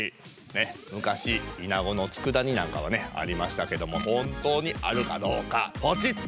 むかしいなごのつくだになんかはねありましたけども本当にあるかどうかポチッと！